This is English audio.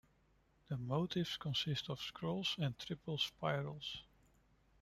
The motifs consist of scrolls and triple spirals.